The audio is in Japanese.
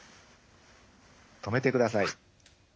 止めてください。